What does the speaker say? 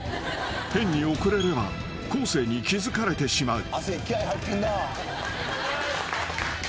［変に遅れれば昴生に気付かれてしまう］